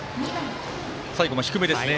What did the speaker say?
最後も低めですね。